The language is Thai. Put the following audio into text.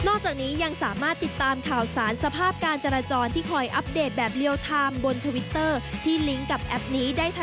โอ้บริเวณซ้ายมืน